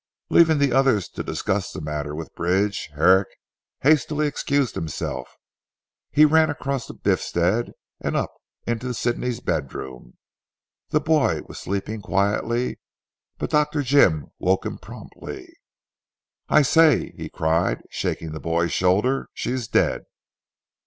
Leaving the others to discuss the matter with Bridge, Herrick hastily excused himself. He ran across to Biffstead, and up into Sidney's bedroom. The boy was sleeping quietly, but Dr. Jim woke him promptly. "I say," he cried, shaking the boy's shoulder, "she is dead."